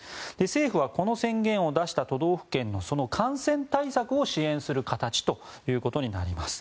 政府はこの宣言を出した都道府県のその感染対策を支援する形ということになります。